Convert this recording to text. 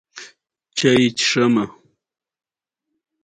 ازادي راډیو د سوداګریز تړونونه په اړه مثبت اغېزې تشریح کړي.